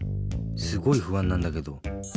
すごいふあんなんだけど。